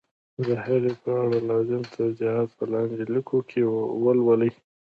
د هري ي په اړه لازم توضیحات په لاندي لیکو کي ولولئ